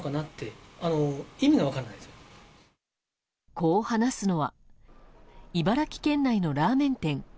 こう話すのは茨城県内のラーメン店。